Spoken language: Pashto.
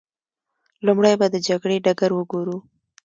لومړی به د جګړې ډګر وګورو.